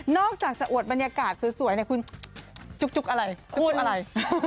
นอกจากจะอวดบรรยากาศสวยคุณจุ๊กอะไรจุ๊กอะไร